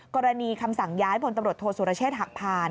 กรณีคำสั่งย้ายธศูรเชษฐ์หักผ่าน